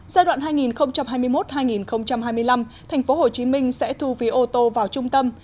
giai đoạn hai nghìn hai mươi một hai nghìn hai mươi năm thành phố hồ chí minh sẽ thu ví ô tô vào trung tâm